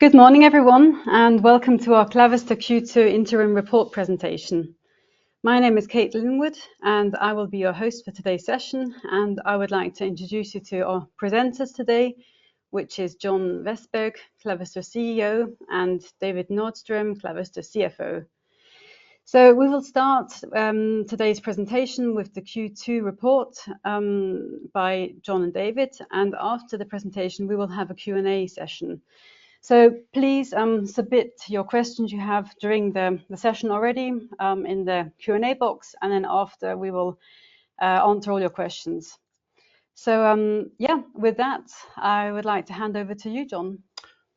Good morning, everyone, and welcome to our Clavister Q2 interim report presentation. My name is Kate Linwood, and I will be your host for today's session, and I would like to introduce you to our presenters today, which is John Vestberg, Clavister CEO, and David Nordström, Clavister CFO. So we will start today's presentation with the Q2 report by John and David, and after the presentation, we will have a Q&A session. So please submit your questions you have during the session already in the Q&A box, and then after, we will answer all your questions. So yeah, with that, I would like to hand over to you, John.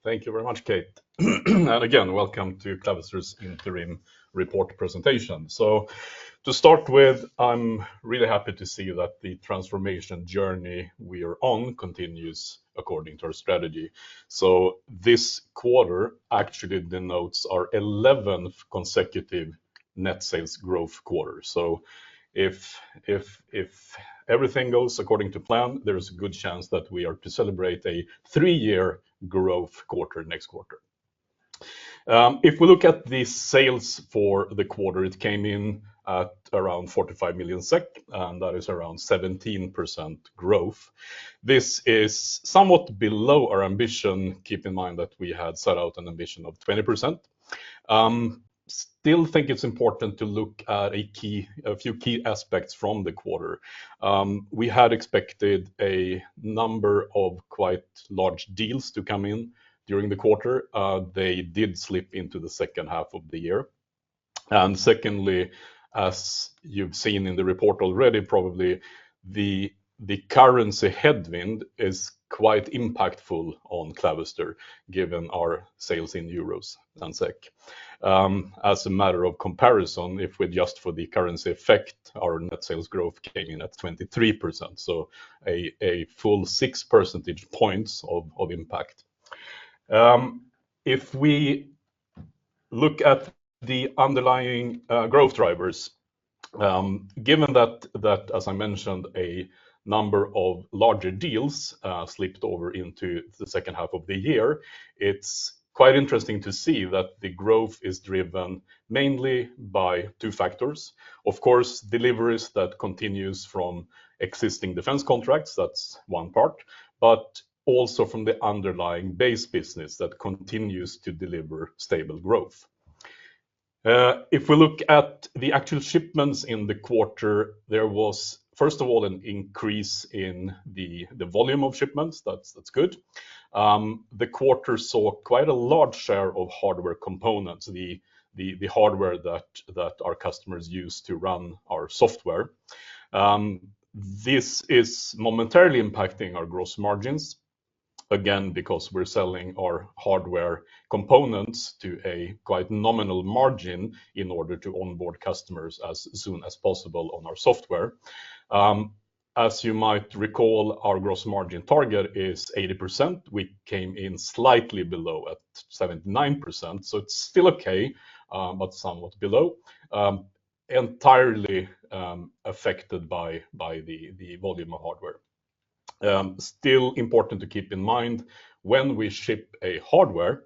Thank you very much, Kate. And again, welcome to Clavister's interim report presentation. To start with, I'm really happy to see that the transformation journey we are on continues according to our strategy. This quarter actually denotes our 11th consecutive net sales growth quarter. If everything goes according to plan, there is a good chance that we are to celebrate a three-year growth quarter-next-quarter. If we look at the sales for the quarter, it came in at around 45 million SEK, and that is around 17% growth. This is somewhat below our ambition. Keep in mind that we had set out an ambition of 20%. Still think it's important to look at a few key aspects from the quarter. We had expected a number of quite large deals to come in during the quarter. They did slip into the second half of the year, and secondly, as you've seen in the report already, probably, the currency headwind is quite impactful on Clavister, given our sales in euros and SEK. As a matter of comparison, if we adjust for the currency effect, our net sales growth came in at 23%, so a full six percentage points of impact. If we look at the underlying growth drivers, given that, as I mentioned, a number of larger deals slipped over into the second half of the year, it's quite interesting to see that the growth is driven mainly by two factors. Of course, deliveries that continues from existing defense contracts, that's one part, but also from the underlying base business that continues to deliver stable growth. If we look at the actual shipments in the quarter, there was, first of all, an increase in the volume of shipments. That's good. The quarter saw quite a large share of hardware components, the hardware that our customers use to run our software. This is momentarily impacting our gross margins, again, because we're selling our hardware components to a quite nominal margin in order to onboard customers as soon as possible on our software. As you might recall, our gross margin target is 80%. We came in slightly below at 79%, so it's still okay, but somewhat below. Entirely affected by the volume of hardware. Still important to keep in mind, when we ship a hardware,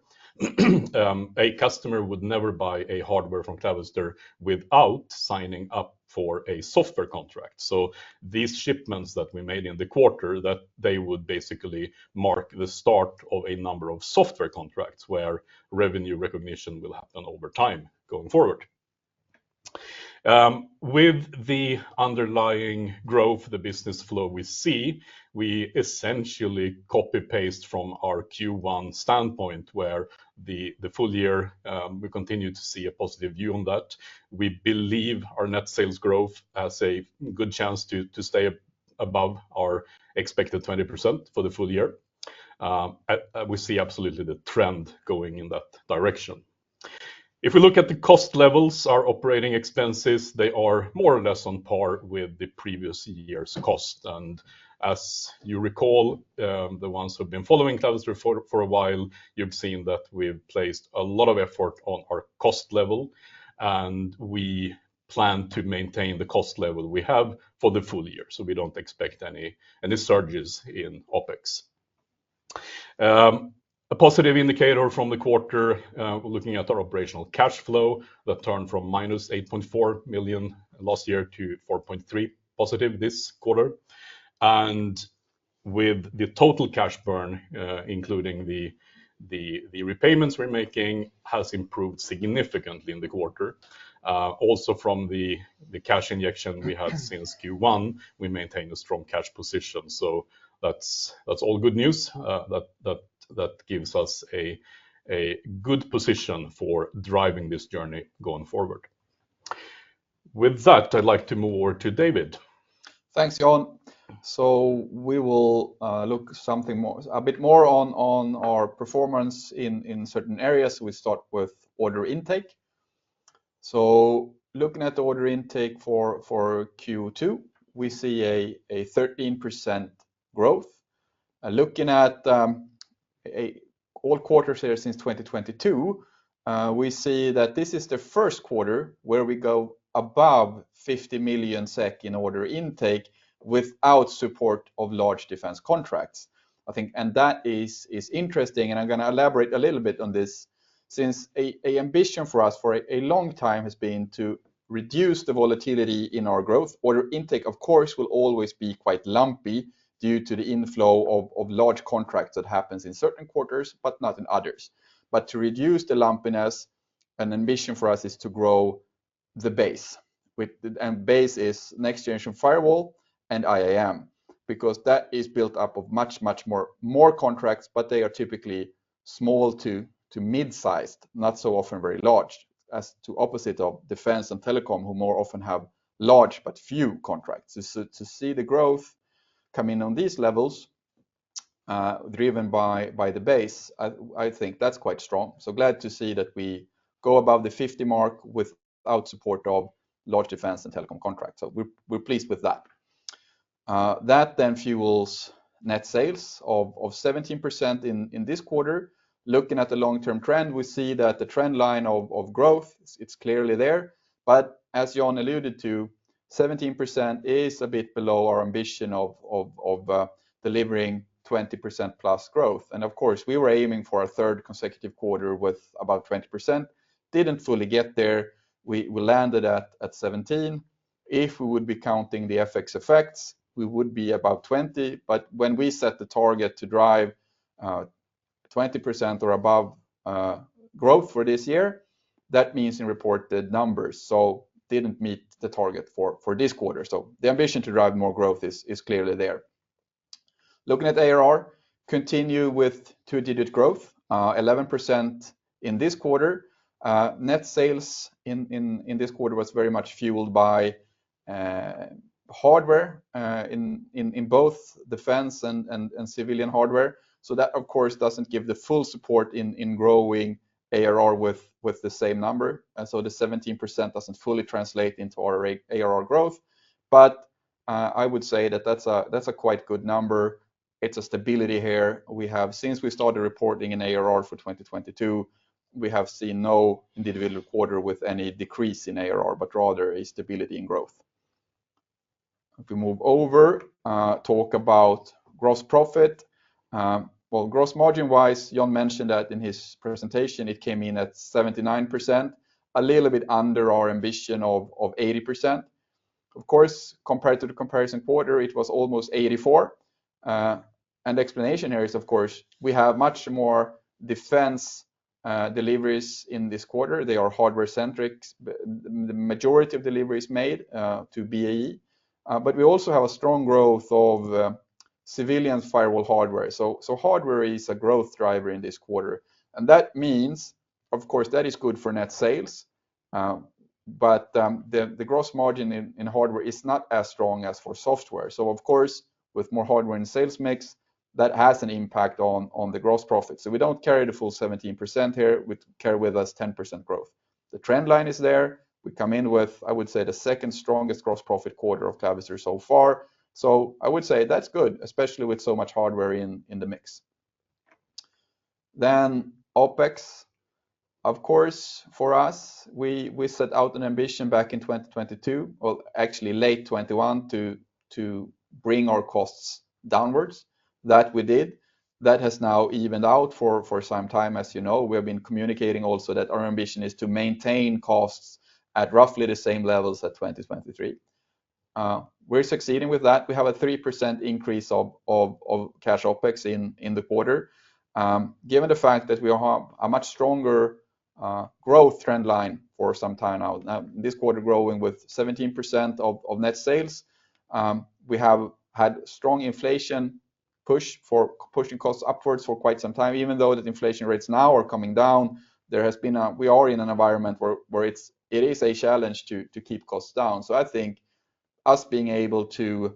a customer would never buy a hardware from Clavister without signing up for a software contract. So these shipments that we made in the quarter, that they would basically mark the start of a number of software contracts where revenue recognition will happen over time, going forward. With the underlying growth, the business flow we see, we essentially copy-paste from our Q1 standpoint, where the full year, we continue to see a positive view on that. We believe our net sales growth has a good chance to stay above our expected 20% for the full year. We see absolutely the trend going in that direction. If we look at the cost levels, our operating expenses, they are more or less on par with the previous year's cost. And as you recall, the ones who have been following Clavister for a while, you've seen that we've placed a lot of effort on our cost level, and we plan to maintain the cost level we have for the full year. So we don't expect any surges in OpEx. A positive indicator from the quarter, looking at our operational cash flow, that turned from -8.4 million last year to 4.3 million positive this quarter. And with the total cash burn, including the repayments we're making, has improved significantly in the quarter. Also from the cash injection we had since Q1, we maintained a strong cash position, so that's all good news. That gives us a good position for driving this journey going forward. With that, I'd like to move over to David. Thanks, John. So we will look a bit more on our performance in certain areas. We start with order intake. So looking at the order intake for Q2, we see a 13% growth. Looking at all quarters here since 2022, we see that this is the Q1 where we go above 50 million SEK in order intake without support of large defense contracts. I think, and that is interesting, and I'm gonna elaborate a little bit on this. Since an ambition for us for a long time has been to reduce the volatility in our growth, order intake, of course, will always be quite lumpy due to the inflow of large contracts that happens in certain quarters, but not in others. But to reduce the lumpiness, an ambition for us is to grow the base with – and base is next-generation firewall and IAM, because that is built up of much more contracts, but they are typically small to mid-sized, not so often very large, as the opposite of defense and telecom, who more often have large but few contracts. So to see the growth come in on these levels, driven by the base, I think that's quite strong. So glad to see that we go above the fifty mark without support of large defense and telecom contracts. So we're pleased with that. That then fuels net sales of 17% in this quarter. Looking at the long-term trend, we see that the trend line of growth, it's clearly there. But as John alluded to, 17% is a bit below our ambition of delivering 20% plus growth. And of course, we were aiming for a third consecutive quarter with about 20%. Didn't fully get there. We landed at 17. If we would be counting the FX effects, we would be above 20, but when we set the target to drive 20% or above growth for this year, that means in reported numbers, so didn't meet the target for this quarter. So the ambition to drive more growth is clearly there. Looking at ARR, continue with two-digit growth, 11% in this quarter. Net sales in this quarter was very much fueled by hardware in both defense and civilian hardware. So that, of course, doesn't give the full support in growing ARR with the same number. And so the 17% doesn't fully translate into our ARR growth. But I would say that that's a quite good number. It's a stability here. We have, since we started reporting in ARR for 2022, we have seen no individual quarter with any decrease in ARR, but rather a stability in growth. If we move over, talk about gross profit. Well, gross margin-wise, John mentioned that in his presentation, it came in at 79%, a little bit under our ambition of 80%. Of course, compared to the comparison quarter, it was almost 84%. And the explanation here is, of course, we have much more defense deliveries in this quarter. They are hardware-centric, the majority of deliveries made to BAE. But we also have a strong growth of civilian firewall hardware. So hardware is a growth driver in this quarter, and that means, of course, that is good for net sales. But the gross margin in hardware is not as strong as for software. So of course, with more hardware in sales mix, that has an impact on the gross profit. So we don't carry the full 17% here. We carry with us 10% growth. The trend line is there. We come in with, I would say, the second strongest gross profit quarter of Clavister so far. So I would say that's good, especially with so much hardware in the mix. Then OpEx, of course, for us, we set out an ambition back in 2022, well, actually late 2021, to bring our costs downwards. That we did. That has now evened out for some time, as you know. We have been communicating also that our ambition is to maintain costs at roughly the same levels as 2023. We're succeeding with that. We have a 3% increase of cash OpEx in the quarter. Given the fact that we have a much stronger growth trend line for some time now. Now, this quarter, growing with 17% of net sales, we have had strong inflation pushing costs upwards for quite some time. Even though the inflation rates now are coming down, we are in an environment where it's a challenge to keep costs down. So I think us being able to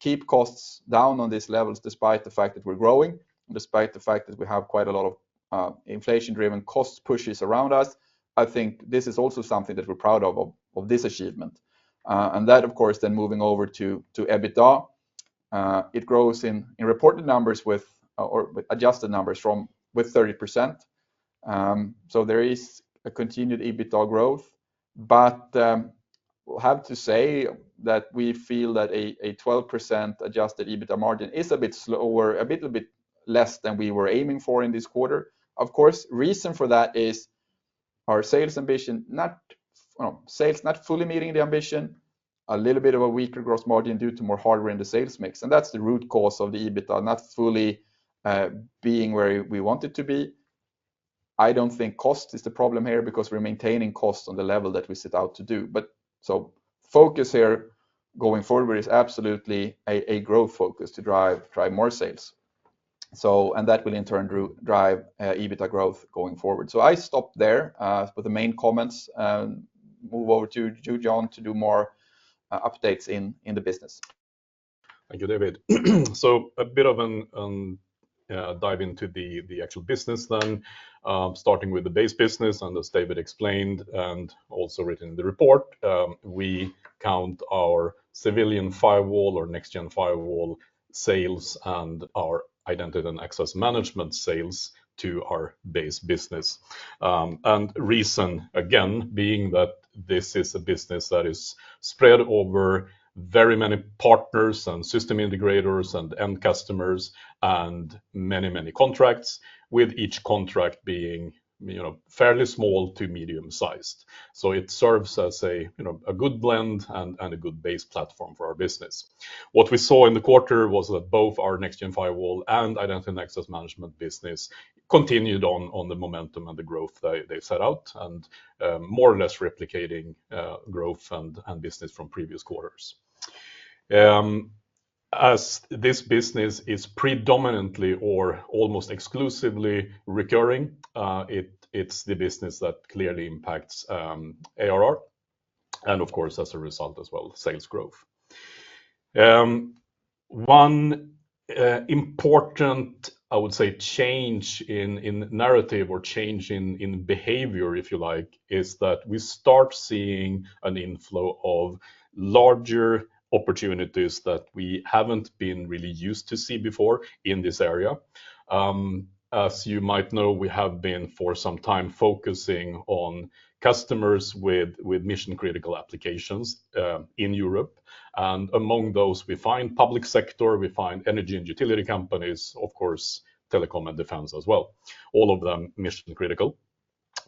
keep costs down on these levels, despite the fact that we're growing, despite the fact that we have quite a lot of inflation-driven cost pushes around us, I think this is also something that we're proud of this achievement, and that, of course, then moving over to EBITDA, it grows in reported numbers with, or adjusted numbers with 30%. So there is a continued EBITDA growth, but we'll have to say that we feel that a 12% adjusted EBITDA margin is a bit slower, a little bit less than we were aiming for in this quarter. Of course, reason for that is our sales ambition, not, well, sales not fully meeting the ambition, a little bit of a weaker gross margin due to more hardware in the sales mix, and that's the root cause of the EBITDA not fully being where we want it to be. I don't think cost is the problem here because we're maintaining costs on the level that we set out to do. Focus here going forward is absolutely a growth focus to drive more sales. And that will in turn drive EBITDA growth going forward. I stop there with the main comments, and move over to John to do more updates in the business. Thank you, David. So a bit of a dive into the actual business then. Starting with the base business, and as David explained and also written in the report, we count our civilian firewall or next-gen firewall sales and our identity and access management sales to our base business. And reason, again, being that this is a business that is spread over very many partners and system integrators and end customers and many, many contracts, with each contract being, you know, fairly small to medium-sized. So it serves as a, you know, a good blend and a good base platform for our business. What we saw in the quarter was that both our next-gen firewall and identity and access management business continued on the momentum and the growth they set out, and more or less replicating growth and business from previous quarters. As this business is predominantly or almost exclusively recurring, it is the business that clearly impacts ARR, and of course, as a result as well, sales growth. One important, I would say, change in narrative or change in behavior, if you like, is that we start seeing an inflow of larger opportunities that we haven't been really used to see before in this area. As you might know, we have been for some time focusing on customers with mission-critical applications in Europe. Among those, we find public sector, we find energy and utility companies, of course, telecom and defense as well, all of them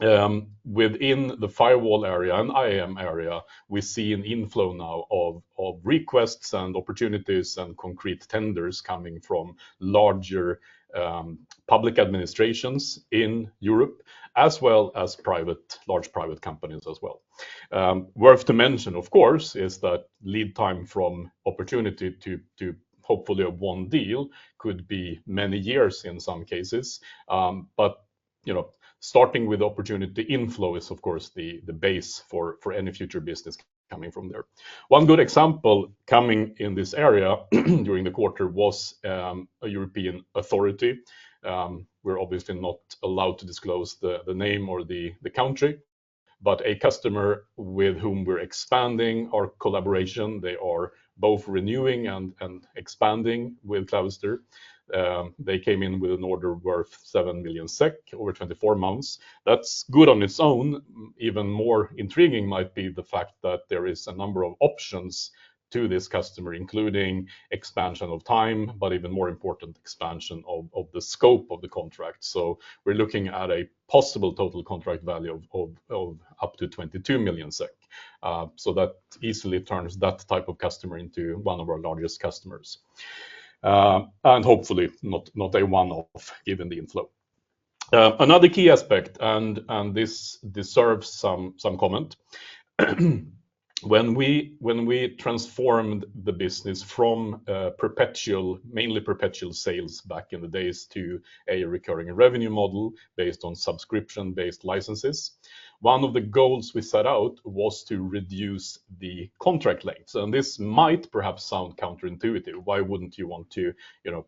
mission-critical. Within the firewall area and IAM area, we see an inflow now of requests and opportunities and concrete tenders coming from larger public administrations in Europe, as well as private, large private companies as well. Worth to mention, of course, is that lead time from opportunity to hopefully a won deal could be many years in some cases. You know, starting with opportunity inflow is, of course, the base for any future business coming from there. One good example coming in this area during the quarter was a European authority. We're obviously not allowed to disclose the name or the country, but a customer with whom we're expanding our collaboration, they are both renewing and expanding with Clavister. They came in with an order worth seven million SEK over 24 months. That's good on its own. Even more intriguing might be the fact that there is a number of options to this customer, including expansion of time, but even more important, expansion of the scope of the contract, so we're looking at a possible total contract value of up to 22 million SEK, so that easily turns that type of customer into one of our largest customers, and hopefully not a one-off, given the inflow. Another key aspect, and this deserves some comment. When we transformed the business from perpetual, mainly perpetual sales back in the days to a recurring revenue model based on subscription-based licenses, one of the goals we set out was to reduce the contract length, and this might perhaps sound counterintuitive. Why wouldn't you want to, you know,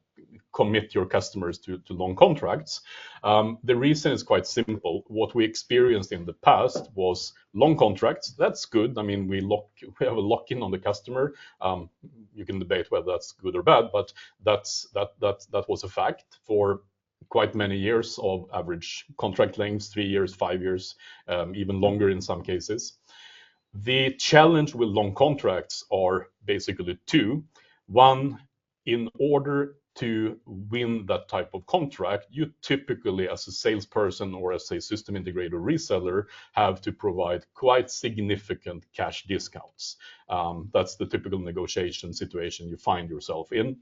commit your customers to long contracts? The reason is quite simple. What we experienced in the past was long contracts. That's good. I mean, we have a lock-in on the customer. You can debate whether that's good or bad, but that was a fact for quite many years of average contract lengths, three years, five years, even longer in some cases. The challenge with long contracts are basically two. One, in order to win that type of contract, you typically, as a salesperson or as a system integrator reseller, have to provide quite significant cash discounts. That's the typical negotiation situation you find yourself in.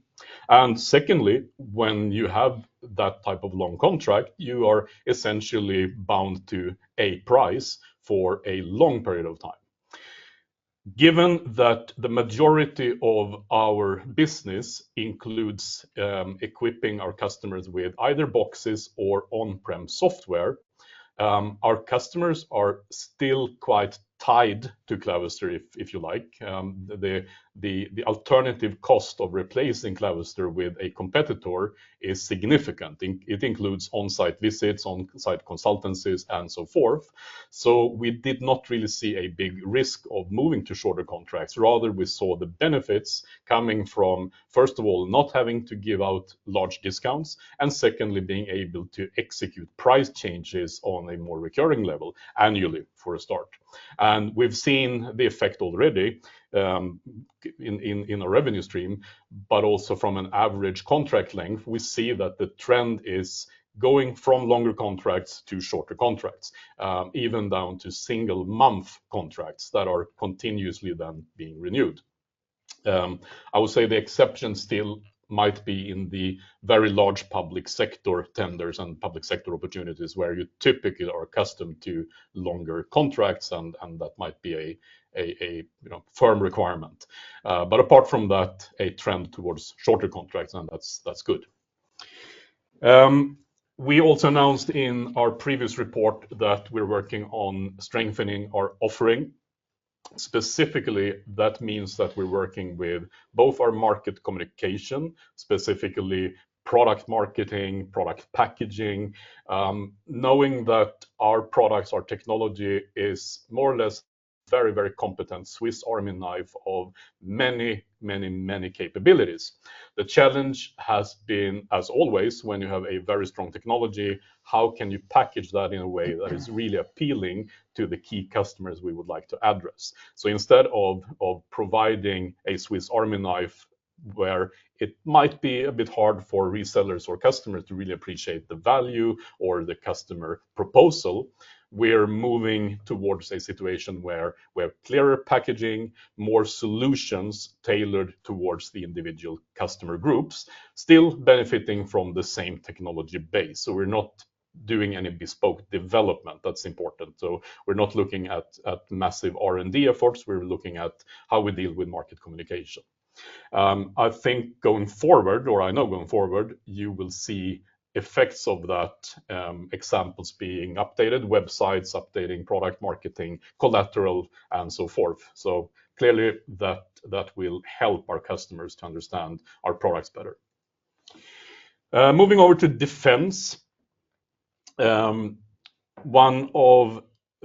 And secondly, when you have that type of long contract, you are essentially bound to a price for a long period of time. Given that the majority of our business includes equipping our customers with either boxes or on-prem software, our customers are still quite tied to Clavister, if you like. The alternative cost of replacing Clavister with a competitor is significant. It includes on-site visits, on-site consultancies, and so forth. So we did not really see a big risk of moving to shorter contracts. Rather, we saw the benefits coming from, first of all, not having to give out large discounts, and secondly, being able to execute price changes on a more recurring level annually, for a start. And we've seen the effect already in the revenue stream, but also from an average contract length, we see that the trend is going from longer contracts to shorter contracts, even down to single-month contracts that are continuously then being renewed. I would say the exception still might be in the very large public sector tenders and public sector opportunities, where you typically are accustomed to longer contracts, and that might be a you know, firm requirement. But apart from that, a trend towards shorter contracts, and that's good. We also announced in our previous report that we're working on strengthening our offering. Specifically, that means that we're working with both our market communication, specifically product marketing, product packaging, knowing that our products, our technology is more or less very, very competent Swiss Army knife of many, many, many capabilities. The challenge has been, as always, when you have a very strong technology, how can you package that in a way that is really appealing to the key customers we would like to address? So instead of providing a Swiss Army knife where it might be a bit hard for resellers or customers to really appreciate the value or the customer proposal. We're moving towards a situation where we have clearer packaging, more solutions tailored towards the individual customer groups, still benefiting from the same technology base. So we're not doing any bespoke development. That's important. So we're not looking at massive R&D efforts. We're looking at how we deal with market communication. I think going forward, or I know going forward, you will see effects of that, examples being updated, websites updating, product marketing, collateral, and so forth. So clearly, that, that will help our customers to understand our products better. Moving over to defense, one of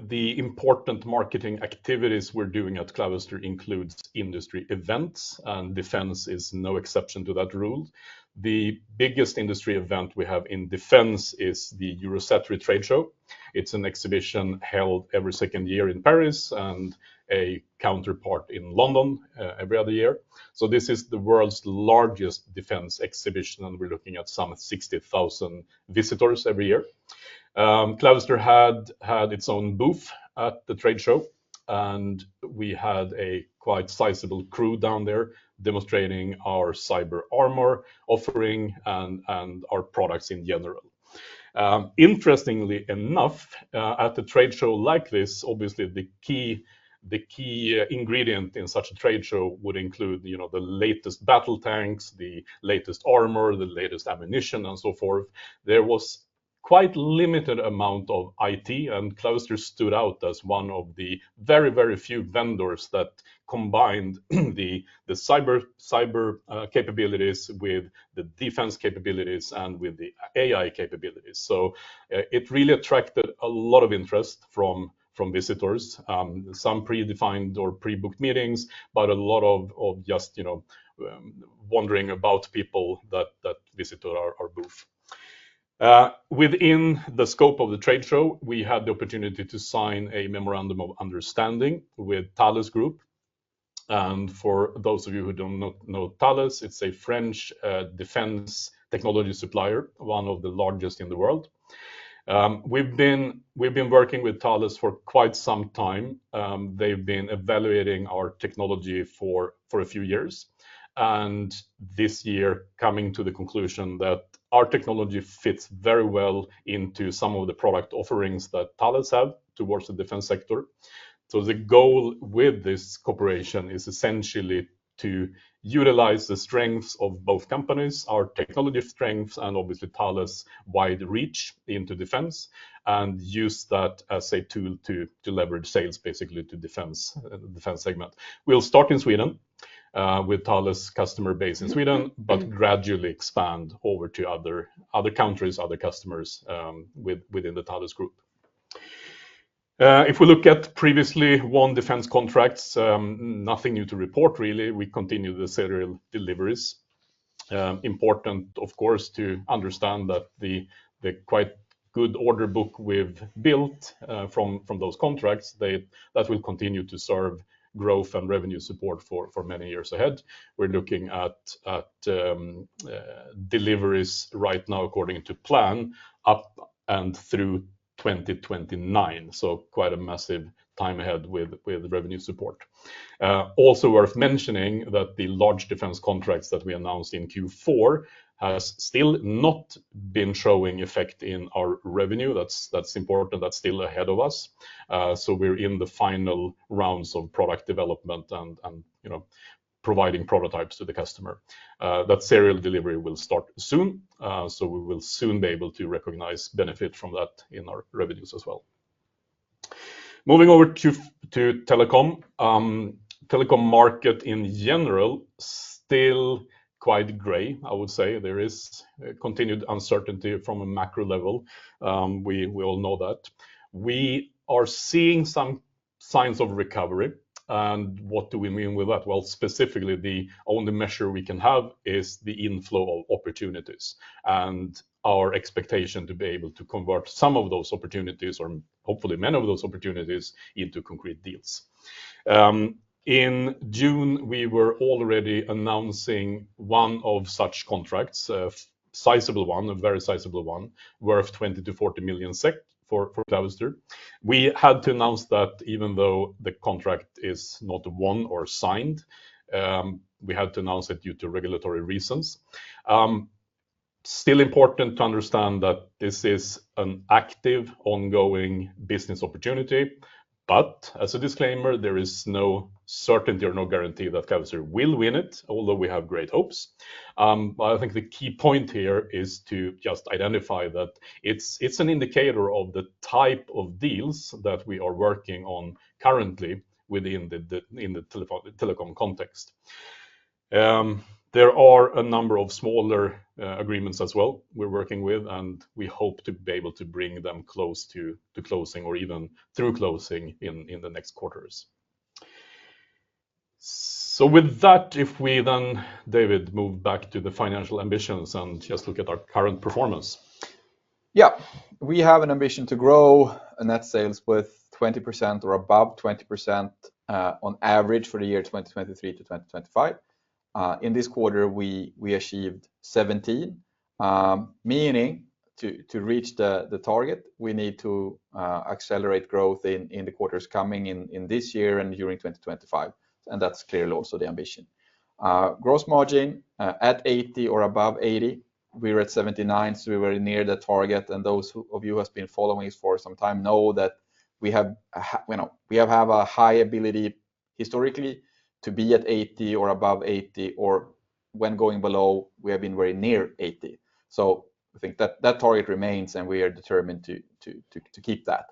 the important marketing activities we're doing at Clavister includes industry events, and defense is no exception to that rule. The biggest industry event we have in defense is the Eurosatory trade show. It's an exhibition held every second year in Paris and a counterpart in London, every other year. So this is the world's largest defense exhibition, and we're looking at some 60,000 visitors every year. Clavister had its own booth at the trade show, and we had a quite sizable crew down there demonstrating our CyberArmor offering and our products in general. Interestingly enough, at a trade show like this, obviously, the key ingredient in such a trade show would include, you know, the latest battle tanks, the latest armor, the latest ammunition, and so forth. There was quite limited amount of IT, and Clavister stood out as one of the very, very few vendors that combined the cyber capabilities with the defense capabilities and with the AI capabilities. So, it really attracted a lot of interest from visitors. Some predefined or pre-booked meetings, but a lot of just, you know, wandering about people that visited our booth. Within the scope of the trade show, we had the opportunity to sign a memorandum of understanding with Thales Group. And for those of you who do not know Thales, it's a French, defense technology supplier, one of the largest in the world. We've been working with Thales for quite some time. They've been evaluating our technology for a few years, and this year, coming to the conclusion that our technology fits very well into some of the product offerings that Thales have towards the defense sector. So the goal with this cooperation is essentially to utilize the strengths of both companies, our technology strengths, and obviously, Thales' wide reach into defense, and use that as a tool to leverage sales, basically, to defense, the defense segment. We'll start in Sweden, with Thales' customer base in Sweden, but gradually expand over to other countries, other customers, within the Thales Group. If we look at previously won defense contracts, nothing new to report, really. We continue the serial deliveries. Important, of course, to understand that the quite good order book we've built, from those contracts, that will continue to serve growth and revenue support for many years ahead. We're looking at deliveries right now, according to plan, up and through 2029, so quite a massive time ahead with revenue support. Also worth mentioning that the large defense contracts that we announced in Q4 has still not been showing effect in our revenue. That's important. That's still ahead of us. So we're in the final rounds of product development and, you know, providing prototypes to the customer. That serial delivery will start soon, so we will soon be able to recognize benefit from that in our revenues as well. Moving over to telecom. Telecom market in general, still quite gray, I would say. There is continued uncertainty from a macro level. We all know that. We are seeing some signs of recovery. And what do we mean with that? Well, specifically, the only measure we can have is the inflow of opportunities and our expectation to be able to convert some of those opportunities, or hopefully many of those opportunities, into concrete deals. In June, we were already announcing one of such contracts, a sizable one, a very sizable one, worth 20-40 million SEK for Clavister. We had to announce that even though the contract is not won or signed, we had to announce it due to regulatory reasons. Still important to understand that this is an active, ongoing business opportunity, but as a disclaimer, there is no certainty or no guarantee that Clavister will win it, although we have great hopes. But I think the key point here is to just identify that it's an indicator of the type of deals that we are working on currently within the telecom context. There are a number of smaller agreements as well we're working with, and we hope to be able to bring them close to closing or even through closing in the next quarters. So with that, if we then, David, move back to the financial ambitions and just look at our current performance.... Yeah, we have an ambition to grow net sales with 20% or above 20%, on average for the year 2023-2025. In this quarter, we achieved 17%, meaning to reach the target, we need to accelerate growth in the quarters coming in this year and during 2025, and that's clearly also the ambition. Gross margin at 80% or above 80%, we're at 79%, so we're very near the target, and those of you who has been following us for some time know that we have you know, we have a high ability historically to be at 80% or above 80%, or when going below, we have been very near 80%. So I think that target remains, and we are determined to keep that.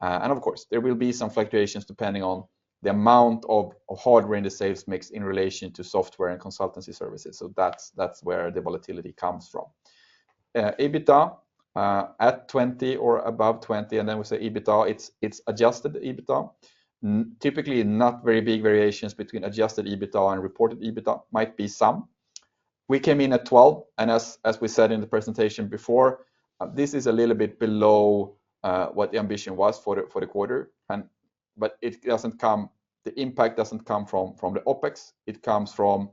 And of course, there will be some fluctuations depending on the amount of hardware in the sales mix in relation to software and consultancy services. So that's where the volatility comes from. EBITDA at 20 or above 20, and then we say EBITDA, it's adjusted EBITDA. Typically, not very big variations between adjusted EBITDA and reported EBITDA. Might be some. We came in at 12, and as we said in the presentation before, this is a little bit below what the ambition was for the quarter, and but it doesn't come from the OpEx. The impact doesn't come from the OpEx, it comes from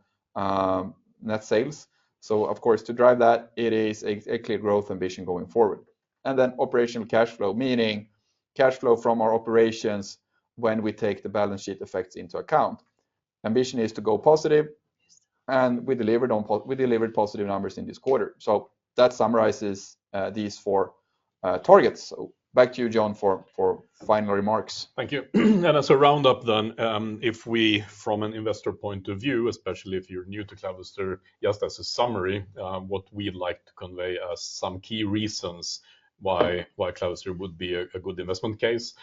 net sales. So of course, to drive that, it is a clear growth ambition going forward. And then operational cash flow, meaning cash flow from our operations when we take the balance sheet effects into account. Ambition is to go positive, and we delivered positive numbers in this quarter. That summarizes these four targets. Back to you, John, for final remarks. Thank you. And as a roundup then, if we, from an investor point of view, especially if you're new to Clavister, just as a summary, what we'd like to convey as some key reasons why Clavister would be a good investment case.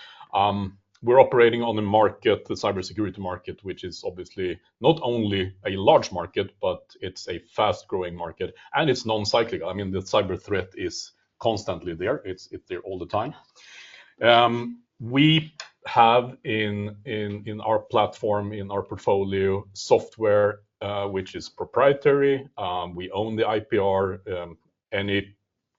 We're operating on a market, the cybersecurity market, which is obviously not only a large market, but it's a fast-growing market, and it's non-cyclical. I mean, the cyber threat is constantly there. It's there all the time. We have in our platform, in our portfolio, software which is proprietary. We own the IPR. Any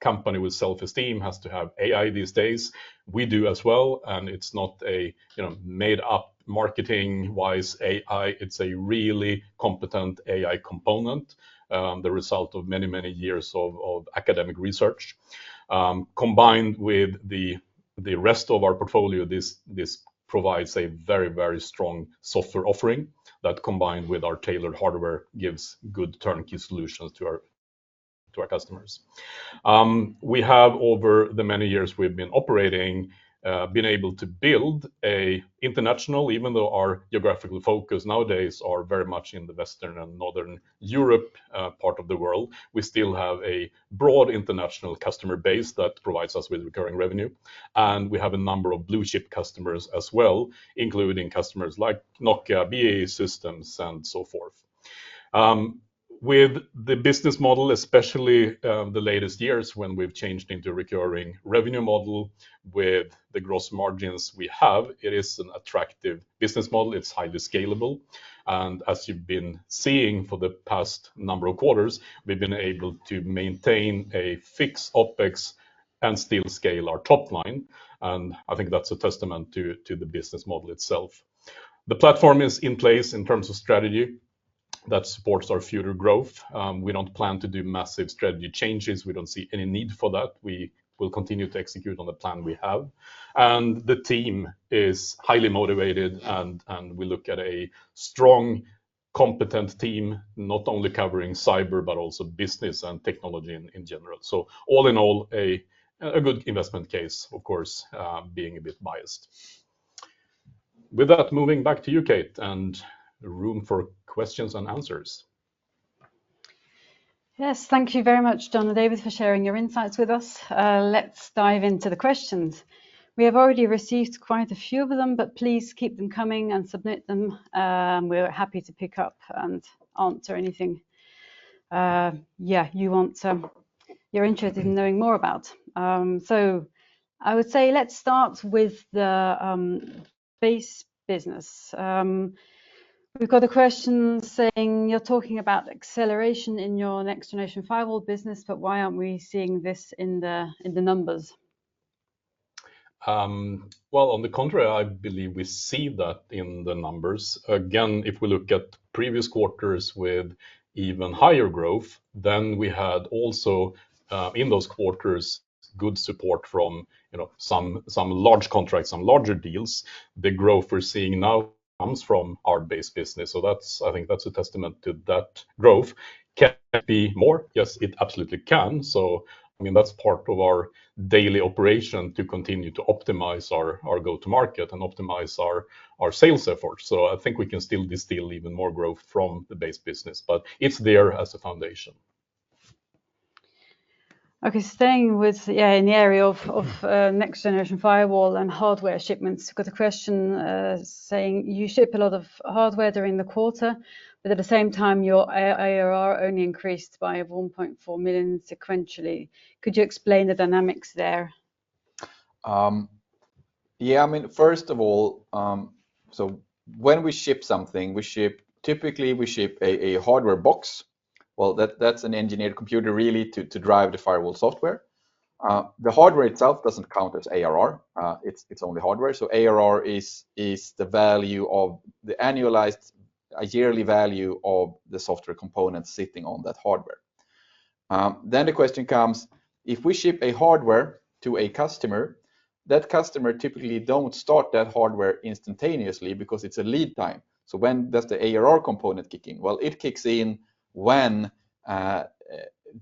company with self-esteem has to have AI these days. We do as well, and it's not a you know, made-up marketing-wise AI, it's a really competent AI component, the result of many, many years of academic research. Combined with the rest of our portfolio, this provides a very, very strong software offering that, combined with our tailored hardware, gives good turnkey solutions to our customers. We have, over the many years we've been operating, been able to build an international, even though our geographical focus nowadays are very much in the Western and Northern Europe part of the world, we still have a broad international customer base that provides us with recurring revenue, and we have a number of blue-chip customers as well, including customers like Nokia, BAE Systems, and so forth. With the business model, especially the latest years when we've changed into recurring revenue model with the gross margins we have, it is an attractive business model. It's highly scalable. And as you've been seeing for the past number of quarters, we've been able to maintain a fixed OpEx and still scale our top line, and I think that's a testament to the business model itself. The platform is in place in terms of strategy that supports our future growth. We don't plan to do massive strategy changes. We don't see any need for that. We will continue to execute on the plan we have. And the team is highly motivated, and we look at a strong, competent team, not only covering cyber, but also business and technology in general. So all in all, a good investment case, of course, being a bit biased. With that, moving back to you, Kate, and room for questions and answers. Yes, thank you very much, John and David, for sharing your insights with us. Let's dive into the questions. We have already received quite a few of them, but please keep them coming and submit them. We're happy to pick up and answer anything, yeah, you want, you're interested in knowing more about. So I would say, let's start with the base business. We've got a question saying: "You're talking about acceleration in your next-generation firewall business, but why aren't we seeing this in the numbers? Well, on the contrary, I believe we see that in the numbers. Again, if we look at previous quarters with even higher growth, then we had also in those quarters good support from, you know, some large contracts, some larger deals. The growth we're seeing now comes from our base business, so that's. I think that's a testament to that growth. Can it be more? Yes, it absolutely can. So, I mean, that's part of our daily operation, to continue to optimize our go-to-market and optimize our sales efforts. So I think we can still distill even more growth from the base business, but it's there as a foundation. Okay, staying with, yeah, in the area of next-generation firewall and hardware shipments, got a question saying: You ship a lot of hardware during the quarter, but at the same time, your AI ARR only increased by 1.4 million sequentially. Could you explain the dynamics there? Yeah, I mean, first of all, so when we ship something, typically we ship a hardware box. Well, that's an engineered computer really, to drive the firewall software. The hardware itself doesn't count as ARR. It's only hardware. So ARR is the value of the annualized yearly value of the software component sitting on that hardware. Then the question comes: if we ship a hardware to a customer, that customer typically don't start that hardware instantaneously because it's a lead time. When does the ARR component kick in? Well, it kicks in when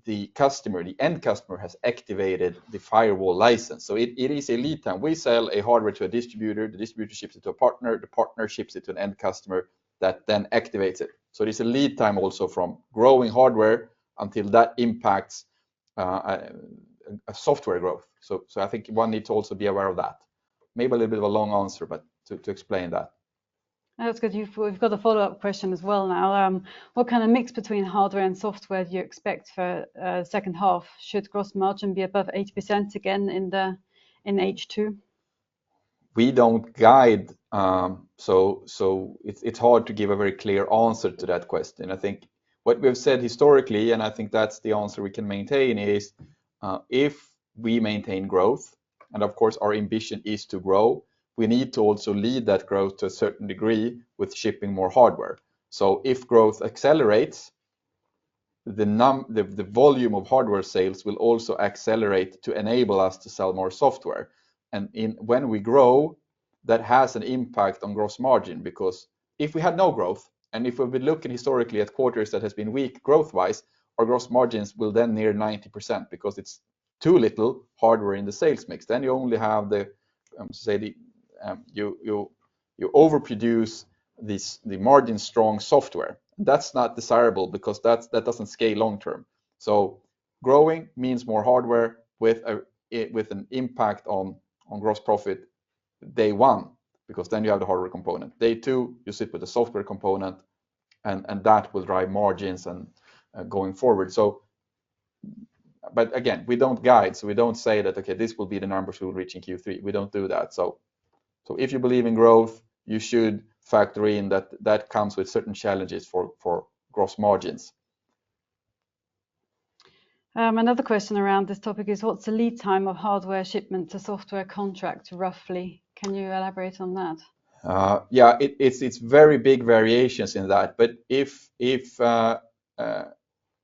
the customer, the end customer, has activated the firewall license. It is a lead time. We sell a hardware to a distributor, the distributor ships it to a partner, the partner ships it to an end customer that then activates it. There's a lead time also from growing hardware until that impacts a software growth. I think one needs to also be aware of that. Maybe a little bit of a long answer, but to explain that. That's good. We've got a follow-up question as well now. What kind of mix between hardware and software do you expect for second half? Should gross margin be above 80% again in H2? We don't guide, so it's hard to give a very clear answer to that question. I think what we have said historically, and I think that's the answer we can maintain, is if we maintain growth, and of course, our ambition is to grow, we need to also lead that growth to a certain degree with shipping more hardware. So if growth accelerates, the volume of hardware sales will also accelerate to enable us to sell more software. When we grow, that has an impact on gross margin, because if we had no growth, and if we've been looking historically at quarters that has been weak growth-wise, our gross margins will then near 90%, because it's too little hardware in the sales mix. Then you only have, say, the margin-strong software. That's not desirable because that doesn't scale long term. So growing means more hardware with an impact on gross profit day one, because then you have the hardware component. Day two, you sit with the software component, and that will drive margins going forward. So... But again, we don't guide, so we don't say that, "Okay, this will be the numbers we'll reach in Q3." We don't do that. So if you believe in growth, you should factor in that that comes with certain challenges for gross margins. Another question around this topic is: what's the lead time of hardware shipment to software contract, roughly? Can you elaborate on that? Yeah. It's very big variations in that, but if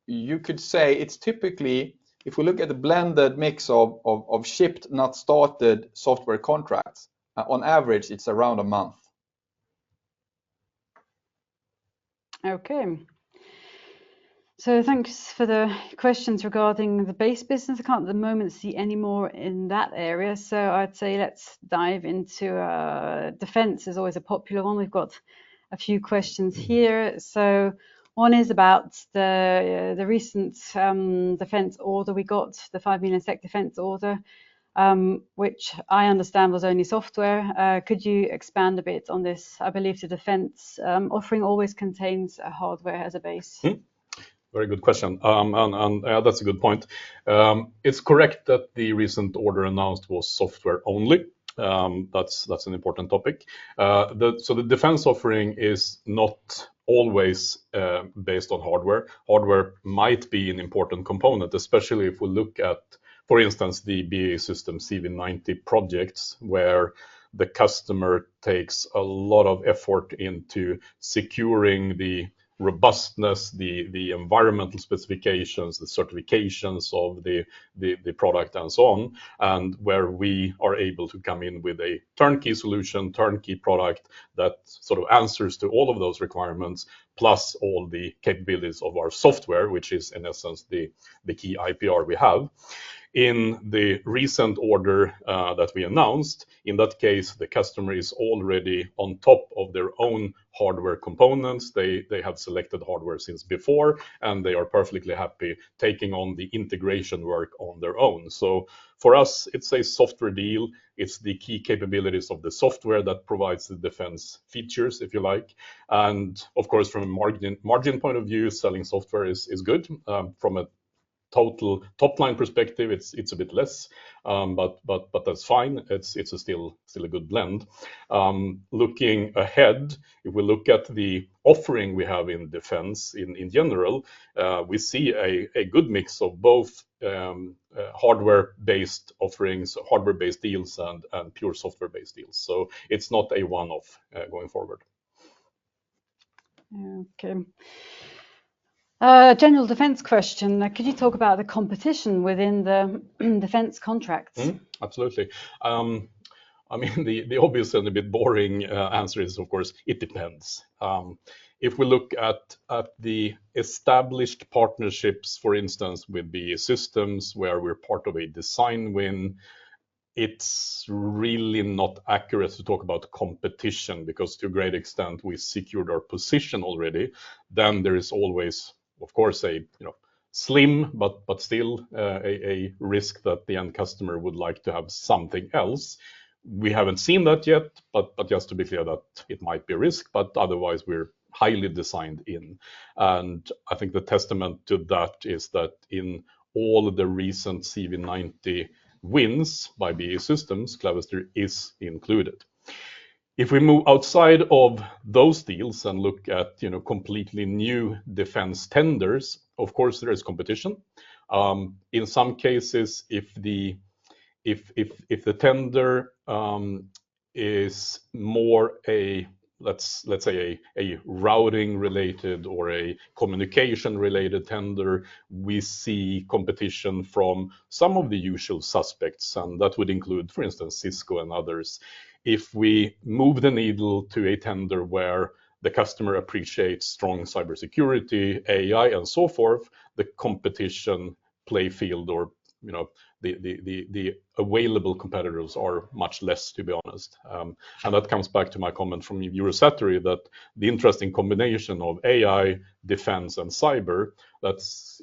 you could say it's typically, if we look at the blended mix of shipped, not started software contracts, on average, it's around a month. Okay. So thanks for the questions regarding the base business. I can't at the moment see any more in that area, so I'd say let's dive into defense. It's always a popular one. We've got a few questions here. So one is about the recent defense order we got, the five million SEK defense order, which I understand was only software. Could you expand a bit on this? I believe the defense offering always contains hardware as a base. Very good question. And that's a good point. It's correct that the recent order announced was software only. That's an important topic. So the defense offering is not always based on hardware. Hardware might be an important component, especially if we look at, for instance, the BAE Systems CV90 projects, where the customer takes a lot of effort into securing the robustness, the environmental specifications, the certifications of the product and so on, and where we are able to come in with a turnkey solution, turnkey product, that sort of answers to all of those requirements, plus all the capabilities of our software, which is, in essence, the key IPR we have. In the recent order that we announced, in that case, the customer is already on top of their own hardware components. They have selected hardware since before, and they are perfectly happy taking on the integration work on their own. So for us, it's a software deal. It's the key capabilities of the software that provides the defense features, if you like. And of course, from a margin point of view, selling software is good. From a total top-line perspective, it's a bit less, but that's fine. It's still a good blend. Looking ahead, if we look at the offering we have in defense in general, we see a good mix of both hardware-based offerings, hardware-based deals and pure software-based deals. So it's not a one-off going forward. Okay. General defense question: could you talk about the competition within the, defense contracts? Mm-hmm. Absolutely. I mean, the obvious and a bit boring answer is, of course, it depends. If we look at the established partnerships, for instance, with BAE Systems, where we're part of a design win, it's really not accurate to talk about competition, because to a great extent, we secured our position already. Then there is always, of course, a you know slim but still a risk that the end customer would like to have something else... We haven't seen that yet, but just to be clear that it might be a risk, but otherwise, we're highly designed in, and I think the testament to that is that in all of the recent CV90 wins by BAE Systems, Clavister is included. If we move outside of those deals and look at, you know, completely new defense tenders, of course, there is competition. In some cases, if the tender is more a, let's say, a routing-related or a communication-related tender, we see competition from some of the usual suspects, and that would include, for instance, Cisco and others. If we move the needle to a tender where the customer appreciates strong cybersecurity, AI, and so forth, the competition playing field or, you know, the available competitors are much less, to be honest. And that comes back to my comment from Eurosatory, that the interesting combination of AI, defense, and cyber, that's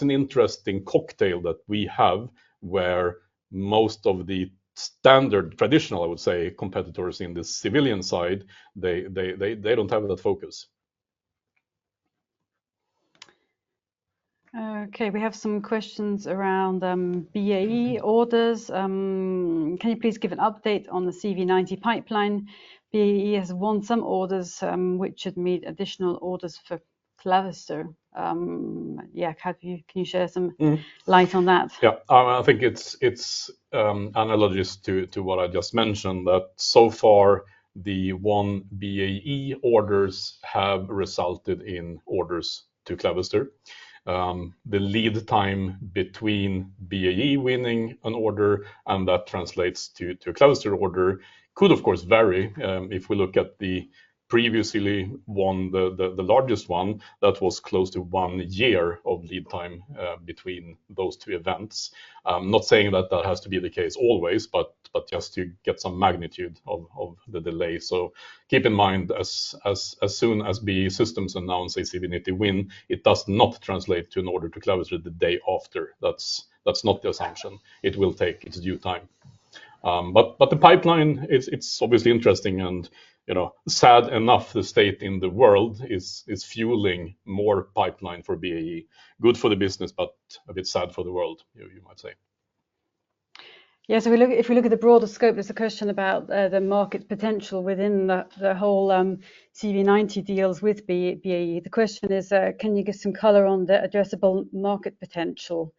an interesting cocktail that we have, where most of the standard, traditional, I would say, competitors in the civilian side, they don't have that focus. Okay, we have some questions around BAE orders. Can you please give an update on the CV90 pipeline? BAE has won some orders, which should meet additional orders for Clavister. Yeah, can you shed some light on that? Yeah. I think it's analogous to what I just mentioned, that so far, the BAE orders have resulted in orders to Clavister. The lead time between BAE winning an order and that translates to a Clavister order could, of course, vary. If we look at the previously won, the largest one, that was close to one year of lead time between those two events. I'm not saying that has to be the case always, but just to get some magnitude of the delay. So keep in mind, as soon as BAE Systems announce a CV90 win, it does not translate to an order to Clavister the day after. That's not the assumption. It will take its due time. But the pipeline, it's obviously interesting and, you know, sad enough, the state in the world is fueling more pipeline for BAE. Good for the business, but a bit sad for the world, you might say. Yeah, so if we look at the broader scope, there's a question about the market potential within the whole CV90 deals with BAE. The question is, can you give some color on the addressable market potential?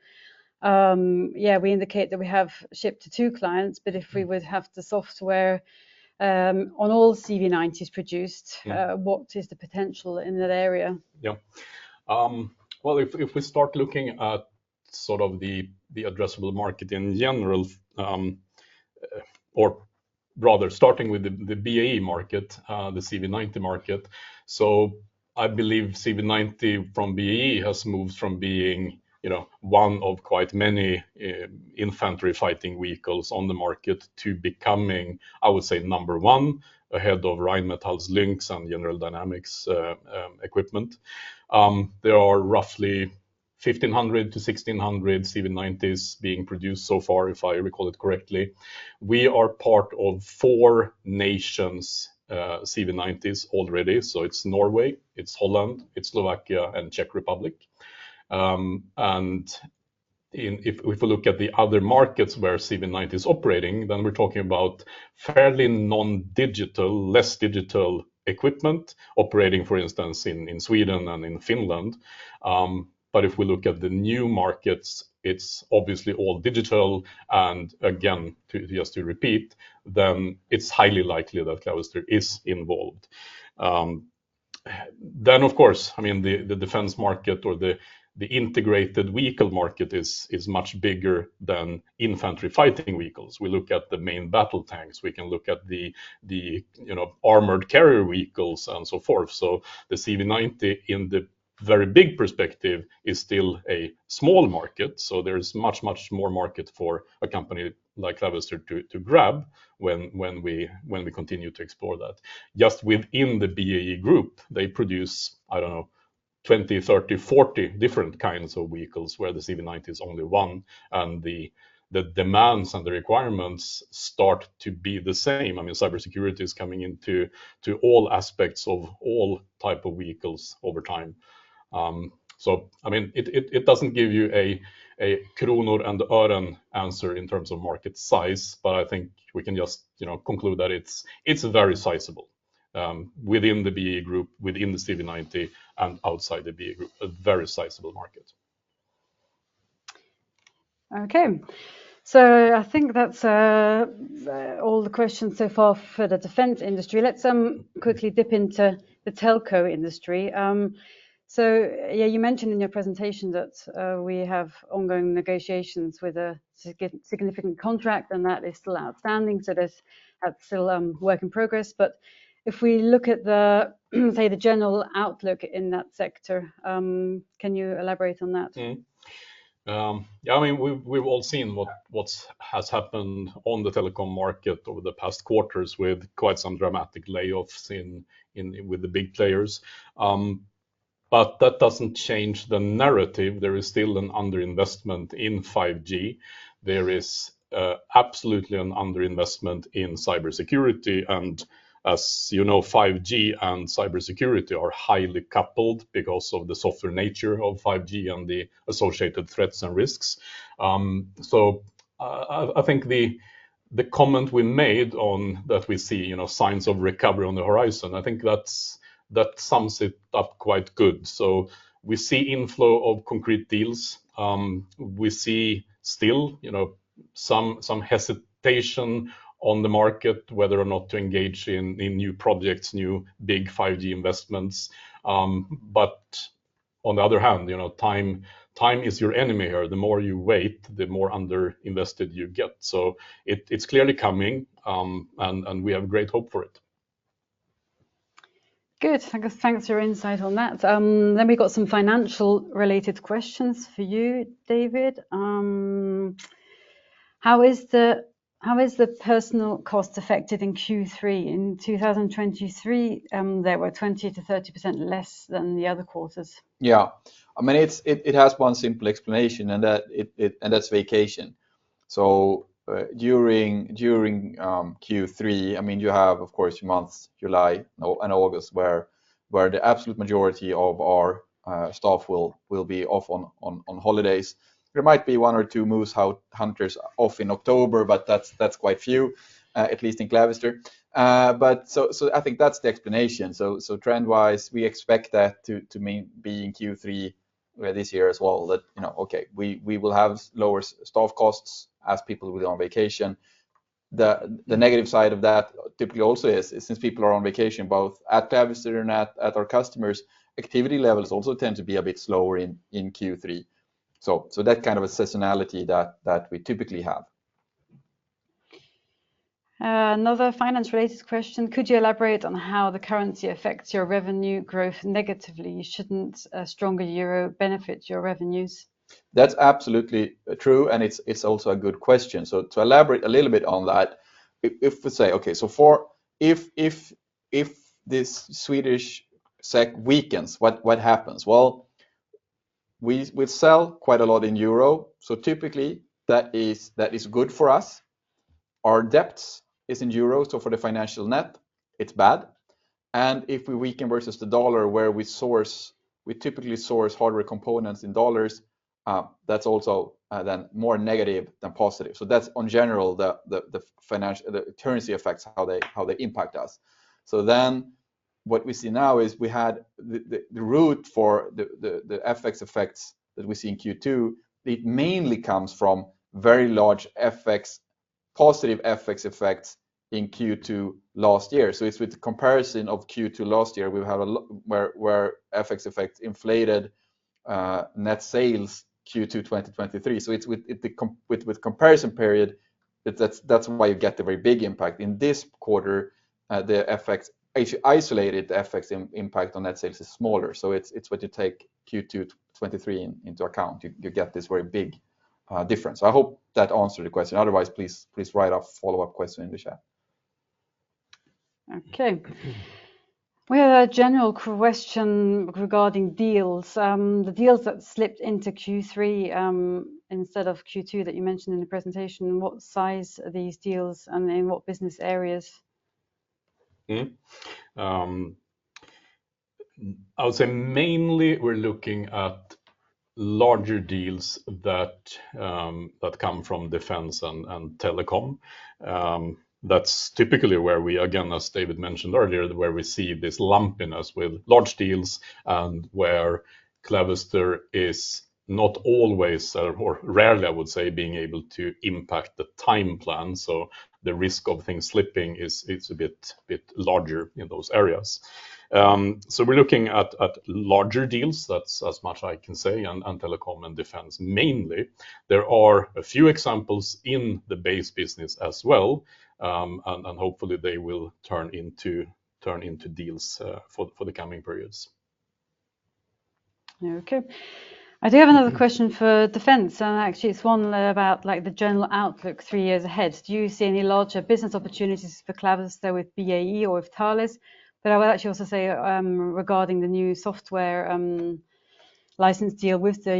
Yeah, we indicate that we have shipped to two clients, but if we would have the software on all CV90s produced- Yeah... what is the potential in that area? Yeah. If we start looking at sort of the addressable market in general, or rather, starting with the BAE market, the CV90 market. I believe CV90 from BAE has moved from being, you know, one of quite many infantry fighting vehicles on the market to becoming, I would say, number one, ahead of Rheinmetall's Lynx and General Dynamics' equipment. There are roughly fifteen hundred to sixteen hundred CV90s being produced so far, if I recall it correctly. We are part of four nations' CV90s already. It's Norway, it's Holland, it's Slovakia, and Czech Republic. If we look at the other markets where CV90 is operating, then we're talking about fairly non-digital, less digital equipment operating, for instance, in Sweden and in Finland. But if we look at the new markets, it's obviously all digital, and again, just to repeat, then it's highly likely that Clavister is involved. Then, of course, I mean, the defense market or the integrated vehicle market is much bigger than infantry fighting vehicles. We look at the main battle tanks, we can look at the, you know, armored carrier vehicles and so forth. So the CV90 in the very big perspective is still a small market, so there's much, much more market for a company like Clavister to grab when we continue to explore that. Just within the BAE group, they produce, I don't know, 20, 30, 40 different kinds of vehicles, where the CV90 is only one, and the demands and the requirements start to be the same. I mean, cybersecurity is coming into all aspects of all type of vehicles over time. So I mean, it doesn't give you a kronor and öre answer in terms of market size, but I think we can just, you know, conclude that it's very sizable within the BAE group, within the CV90, and outside the BAE group, a very sizable market. Okay, so I think that's all the questions so far for the defense industry. Let's quickly dip into the telco industry. So yeah, you mentioned in your presentation that we have ongoing negotiations with a significant contract and that is still outstanding, so there's still work in progress. But if we look at, say, the general outlook in that sector, can you elaborate on that? Yeah, I mean, we've all seen what has happened on the telecom market over the past quarters with quite some dramatic layoffs in with the big players. But that doesn't change the narrative. There is still an underinvestment in 5G. There is absolutely an underinvestment in cybersecurity, and as you know, 5G and cybersecurity are highly coupled because of the softer nature of 5G and the associated threats and risks. So I think the comment we made on that we see, you know, signs of recovery on the horizon. I think that's that sums it up quite good. So we see inflow of concrete deals. We see still, you know, some hesitation on the market, whether or not to engage in new projects, new big 5G investments. But on the other hand, you know, time is your enemy here. The more you wait, the more underinvested you get. So it, it's clearly coming, and we have great hope for it. Good. Thank you. Thanks for your insight on that. Then we've got some financial-related questions for you, David. How is the personnel cost affected in Q3? In 2023, there were 20%-30% less than the other quarters. Yeah. I mean, it has one simple explanation, and that's vacation. During Q3, I mean, you have, of course, months, July and August, where the absolute majority of our staff will be off on holidays. There might be one or two moose hunters off in October, but that's quite few, at least in Clavister. But I think that's the explanation. Trend-wise, we expect that to be in Q3, where this year as well, you know, okay, we will have lower staff costs as people will be on vacation. The negative side of that typically also is since people are on vacation, both at Clavister and at our customers, activity levels also tend to be a bit slower in Q3. So that kind of a seasonality that we typically have. Another finance-related question: Could you elaborate on how the currency affects your revenue growth negatively? Shouldn't a stronger euro benefit your revenues? That's absolutely true, and it's also a good question. So to elaborate a little bit on that, if we say, okay, so for if this Swedish SEK weakens, what happens? Well, we sell quite a lot in euro, so typically, that is good for us. Our debts is in euros, so for the financial net, it's bad. And if we weaken versus the dollar, where we source, we typically source hardware components in dollars, that's also then more negative than positive. So that's in general, the currency affects how they impact us. So then what we see now is we had the root for the FX effects that we see in Q2. It mainly comes from very large, positive FX effects in Q2 last year. So it's with the comparison of Q2 last year, we have where FX effects inflated net sales Q2 2023. So it's with the comparison period, that's why you get the very big impact. In this quarter, the FX isolated FX impact on net sales is smaller, so it's when you take Q2 2023 into account, you get this very big difference. So I hope that answered the question. Otherwise, please write a follow-up question in the chat. Okay. We have a general question regarding deals. The deals that slipped into Q3, instead of Q2 that you mentioned in the presentation, what size are these deals, and in what business areas? Mm-hmm. I would say mainly we're looking at larger deals that come from defense and telecom. That's typically where we, again, as David mentioned earlier, see this lumpiness with large deals and where Clavister is not always, or rarely, I would say, being able to impact the time plan, so the risk of things slipping is a bit larger in those areas. So we're looking at larger deals. That's as much as I can say on telecom and defense, mainly. There are a few examples in the base business as well, and hopefully, they will turn into deals for the coming periods. Okay. I do have another question for defense, and actually it's one about, like, the general outlook three years ahead. Do you see any larger business opportunities for Clavister with BAE or with Thales? But I would actually also say regarding the new software license deal with the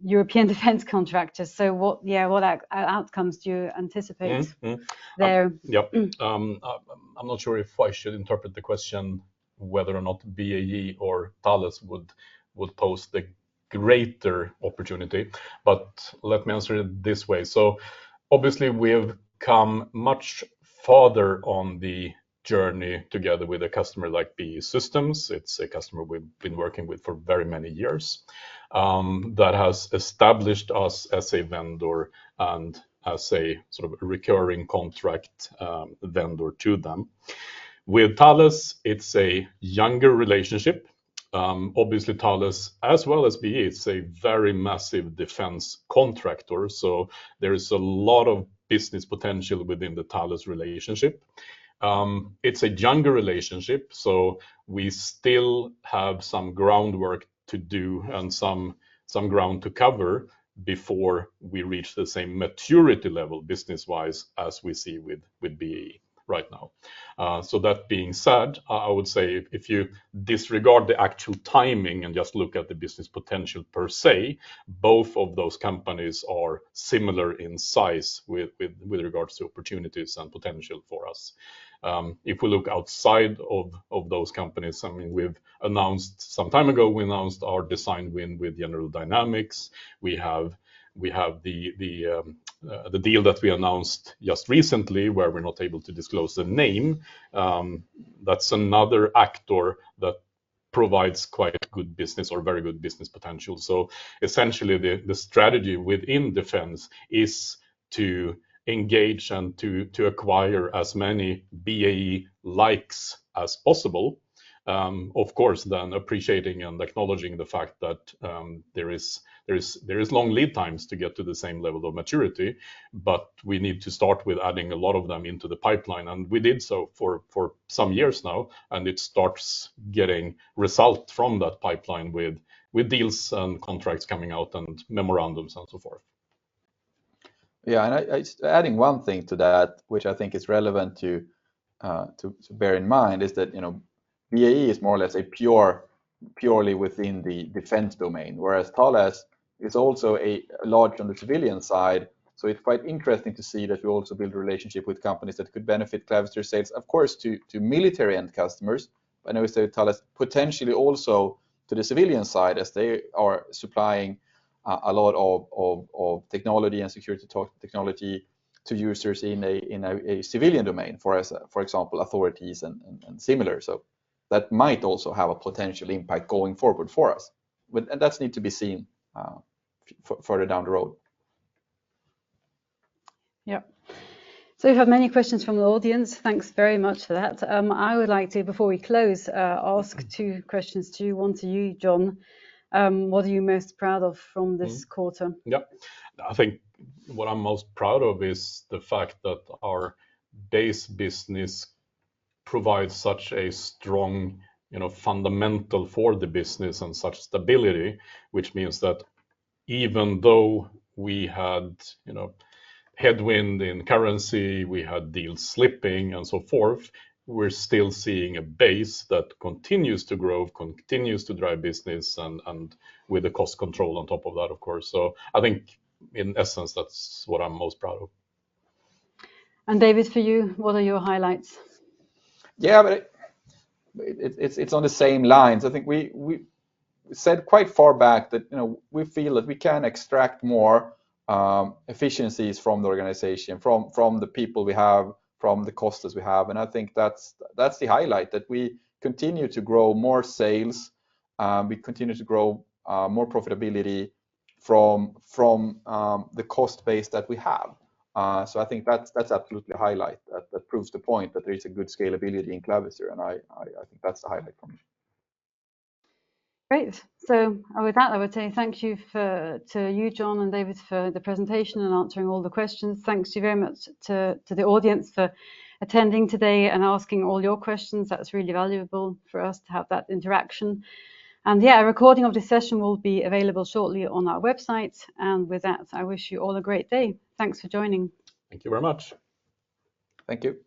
European defense contractor. So what, yeah, what outcomes do you anticipate- Mm-hmm, mm-hmm... there? Yep. I'm not sure if I should interpret the question whether or not BAE or Thales would pose the greater opportunity, but let me answer it this way. So obviously, we have come much farther on the journey together with a customer like BAE Systems. It's a customer we've been working with for very many years, that has established us as a vendor and as a sort of recurring contract, vendor to them. With Thales, it's a younger relationship. Obviously, Thales, as well as BAE, it's a very massive defense contractor, so there is a lot of business potential within the Thales relationship. It's a younger relationship, so we still have some groundwork to do and some ground to cover before we reach the same maturity level business-wise as we see with BAE right now... So that being said, I would say if you disregard the actual timing and just look at the business potential per se, both of those companies are similar in size with regards to opportunities and potential for us. If we look outside of those companies, I mean, we've announced some time ago our design win with General Dynamics. We have the deal that we announced just recently, where we're not able to disclose the name. That's another actor that provides quite a good business or very good business potential. Essentially, the strategy within defense is to engage and to acquire as many BAE likes as possible. Of course, then appreciating and acknowledging the fact that there is long lead times to get to the same level of maturity, but we need to start with adding a lot of them into the pipeline, and we did so for some years now, and it starts getting results from that pipeline with deals and contracts coming out and memorandums and so forth. Yeah, and I just... Adding one thing to that, which I think is relevant to bear in mind, is that, you know, BAE is more or less purely within the defense domain, whereas Thales is also large on the civilian side. So it's quite interesting to see that we also build a relationship with companies that could benefit Clavister's sales, of course, to military end customers. But I would say Thales, potentially also to the civilian side, as they are supplying a lot of technology and security technology to users in a civilian domain, for example, authorities and similar. So that might also have a potential impact going forward for us. But and that's need to be seen, further down the road. Yep. So we have many questions from the audience. Thanks very much for that. I would like to, before we close, ask two questions to you. One to you, John. What are you most proud of from this quarter? Yep. I think what I'm most proud of is the fact that our base business provides such a strong, you know, fundamental for the business and such stability, which means that even though we had, you know, headwind in currency, we had deals slipping, and so forth, we're still seeing a base that continues to grow, continues to drive business, and, and with the cost control on top of that, of course. So I think in essence, that's what I'm most proud of. David, for you, what are your highlights? Yeah, but it's on the same lines. I think we said quite far back that, you know, we feel that we can extract more efficiencies from the organization, from the people we have, from the costs we have. And I think that's the highlight, that we continue to grow more sales, we continue to grow more profitability from the cost base that we have. So I think that's absolutely a highlight. That proves the point that there is a good scalability in Clavister, and I think that's the highlight for me. Great. So with that, I would say thank you to you, John and David, for the presentation and answering all the questions. Thank you very much to the audience for attending today and asking all your questions. That's really valuable for us to have that interaction. And yeah, a recording of this session will be available shortly on our website. And with that, I wish you all a great day. Thanks for joining. Thank you very much. Thank you.